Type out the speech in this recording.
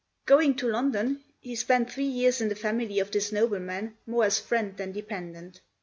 Going to London, he spent three years in the family of this nobleman, more as friend than dependent.